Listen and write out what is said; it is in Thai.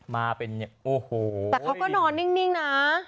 มาเป็นเนี่ยโอ้โหแต่เขาก็นอนนิ่งนะ